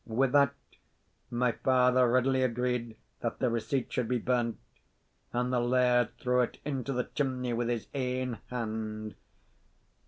Wi' that, my father readily agreed that the receipt should be burnt; and the laird threw it into the chimney with his ain hand.